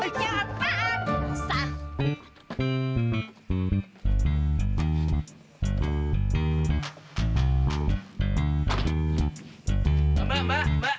mbak mbak mbak